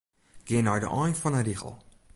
Gean nei de ein fan 'e rigel.